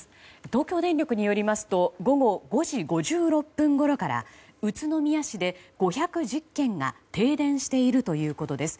東京電力によりますと午後５時５６分ごろから宇都宮市で５１０軒が停電しているということです。